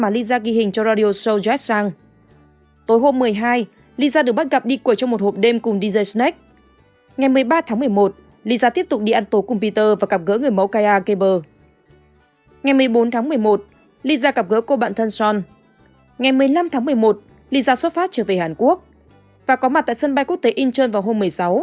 lisa xuất phát trở về hàn quốc và có mặt tại sân bay quốc tế incheon vào hôm một mươi sáu